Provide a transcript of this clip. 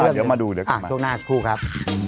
หนูเดี๋ยวมาดูเดี๋ยวช่วงหน้าหนึ่งครับ